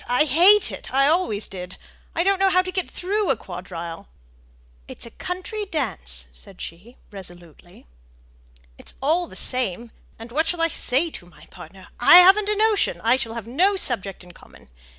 I hate it; I always did. I don't know how to get through a quadrille." "It's a country dance!" said she, resolutely. "It's all the same. And what shall I say to my partner? I haven't a notion: I shall have no subject in common.